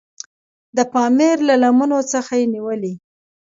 د پامیر له لمنو څخه نیولې.